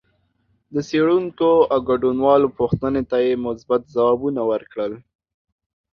د څېړونکو او ګډونوالو پوښتنو ته یې مثبت ځوابونه ورکړل